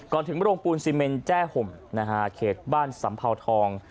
ก่อนถึงบริเวณโรงปูนซีเมนแจ้ห่มนะฮะเขตบ้านสำพาวทอง